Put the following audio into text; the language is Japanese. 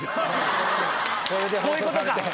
そういうことか！